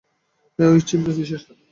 ঐ চিহ্ন কিসের?